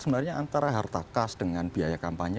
sebenarnya antara harta kas dengan biaya kampanye